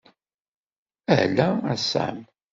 Ala a Sam!